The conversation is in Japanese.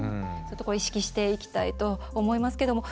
意識していきたいと思いますけれども。